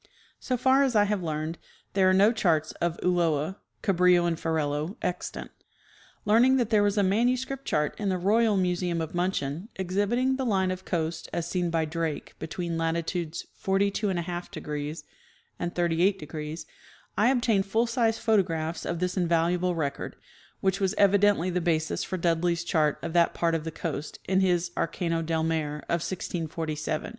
So far as I have learned, there are no charts of Ulloa, Cabrillo and Ferrelo extant. Learning that there was a manuscript chart in the Royal Museum of Miinchen exhibiting the line of coast as seen by Drake between latitudes 422 ° and 38°, I ob tained full sized photographs of this invaluable record, which was evidently the basis for Dudley's chart of that part of the coast in his "Arcano del Mare " of 1647.